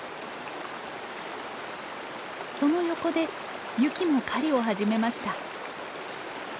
その横でユキも狩りを始めました。